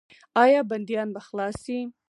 آیا بندیان به خلاص شي؟